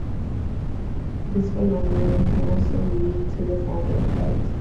This phenomenon can also lead to the founder effect.